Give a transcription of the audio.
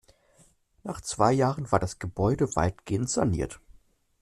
Nach zwei Jahren war das Gebäude weitgehend saniert.